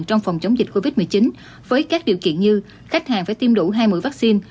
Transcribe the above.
trong phòng chống dịch covid một mươi chín với các điều kiện như khách hàng phải tiêm đủ hai mươi vaccine